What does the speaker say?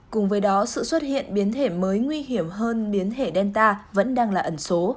cùng với đó sự xuất hiện biến thể mới nguy hiểm hơn biến thể danta vẫn đang là ẩn số